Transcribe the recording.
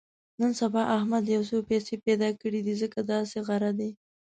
نن سبا احمد یو څه پیسې پیدا کړې دي، ځکه داسې غره دی.